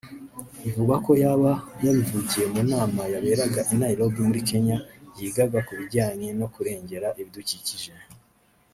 Bivugwa ko yaba yabivugiye mu nama yaberaga i Nairobi muri Kenya yigaga ku bijyanye no kurengera ibidukikije